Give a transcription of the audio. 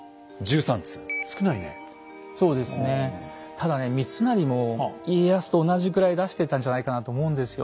ただね三成も家康と同じぐらい出してたんじゃないかなと思うんですよ。